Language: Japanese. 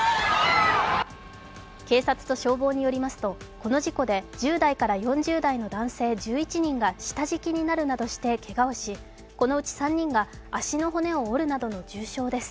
警察と消防によりますとこの事故で１０代から４０代の男性１１人が下敷きになるなどしてけがをし、このうち３人が足の骨を折るなどの重傷です。